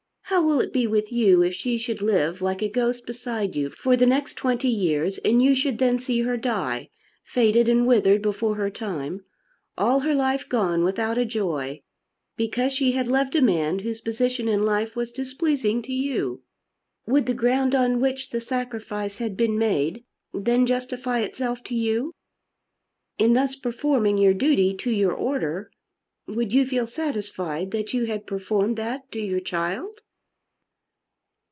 How will it be with you if she should live like a ghost beside you for the next twenty years, and you should then see her die, faded and withered before her time, all her life gone without a joy, because she had loved a man whose position in life was displeasing to you? Would the ground on which the sacrifice had been made then justify itself to you? In thus performing your duty to your order would you feel satisfied that you had performed that to your child?"